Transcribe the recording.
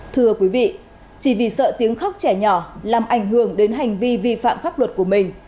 thưa quý vị chỉ vì sợ tiếng khóc trẻ nhỏ làm ảnh hưởng đến hành vi vi phạm pháp luật của mình